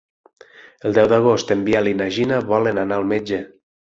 El deu d'agost en Biel i na Gina volen anar al metge.